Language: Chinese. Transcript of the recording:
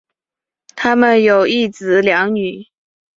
他们有一子两女。